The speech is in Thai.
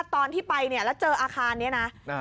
ตอนที่ไปเนี่ยแล้วเจออาคารนี้นะ